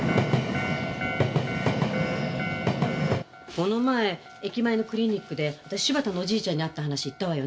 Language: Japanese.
この前駅前のクリニックで私柴田のおじいちゃんに会った話言ったわよね？